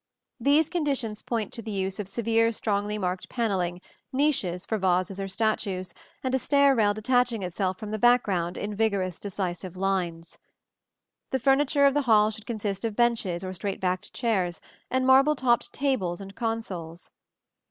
These conditions point to the use of severe strongly marked panelling, niches for vases or statues, and a stair rail detaching itself from the background in vigorous decisive lines. The furniture of the hall should consist of benches or straight backed chairs, and marble topped tables and consoles.